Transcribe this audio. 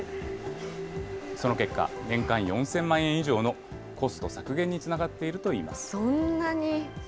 その結果、年間４０００万円以上のコスト削減につながっているといいます。